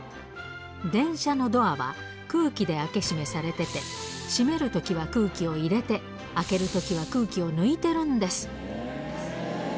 電車のドアは空気で開け閉めされてて、閉めるときは空気を入れて、開けるときは空気を抜いてるんです。